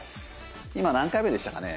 今何回目でしたかね？